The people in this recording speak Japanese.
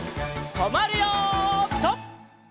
とまるよピタ！